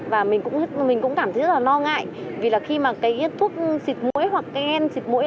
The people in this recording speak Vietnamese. và mình cũng cảm thấy rất là lo ngại vì là khi mà cái thuốc xịt mũi hoặc ghen xịt mũi